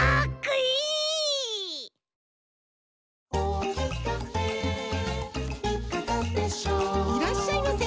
いらっしゃいませ！